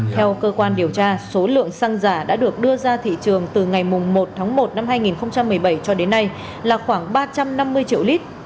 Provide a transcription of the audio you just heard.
theo cơ quan điều tra số lượng xăng giả đã được đưa ra thị trường từ ngày một tháng một năm hai nghìn một mươi bảy cho đến nay là khoảng ba trăm năm mươi triệu lít